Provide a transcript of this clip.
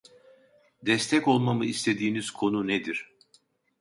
Destek olmamı istediğiniz konu nedir ?